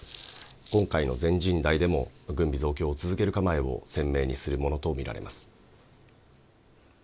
今回の全人代でも、軍備増強を続ける構えを鮮明にするものと見ら